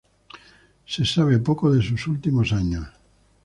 Se sabe poco de sus últimos años.